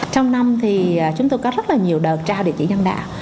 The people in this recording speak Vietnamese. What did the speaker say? trong năm thì chúng tôi có rất là nhiều đợt trao địa chỉ nhân đạo